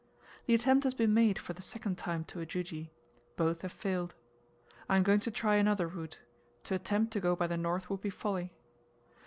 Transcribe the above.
The attempt has been made for the second time to Ujiji both have failed. I am going to try another route; to attempt to go by the north would be folly.